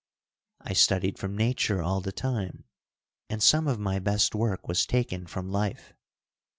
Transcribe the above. I studied from nature all the time, and some of my best work was taken from life.